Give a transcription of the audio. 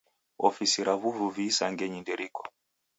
Ofisi ra w'uvuvi ra isangenyi nderiko.